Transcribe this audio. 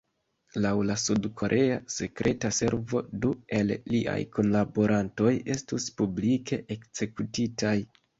Laŭ la sud-korea sekreta servo, du el liaj kunlaborantoj estus publike ekzekutitaj.